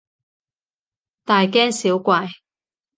大驚小怪